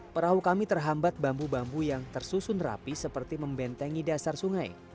perahu kami terhambat bambu bambu yang tersusun rapi seperti membentengi dasar sungai